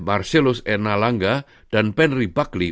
marcellus enalanga dan penry bakli